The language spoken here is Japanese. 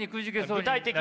具体的に。